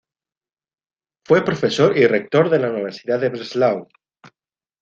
Fue profesor y rector de la Universidad en Breslau.